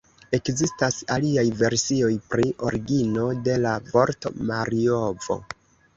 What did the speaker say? Ekzistas aliaj versioj pri origino de la vorto Marjovo.